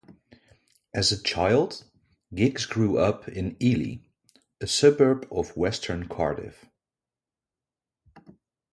As a child, Giggs grew up in Ely, a suburb of western Cardiff.